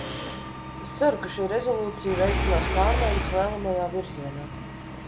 Es ceru, ka šī rezolūcija veicinās pārmaiņas vēlamajā virzienā.